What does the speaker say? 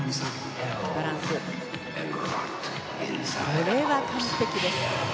これは完璧です。